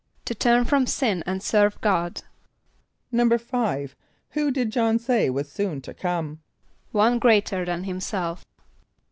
=To turn from sin and serve God.= =5.= Who did J[)o]hn say was soon to come? =One greater than himself.